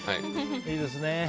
いいですね。